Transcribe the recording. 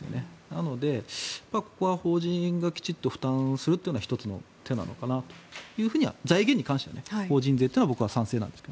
なのでここは法人がきちんと負担するのが１つの手なのかなと財源に関しては法人税というのは僕は賛成。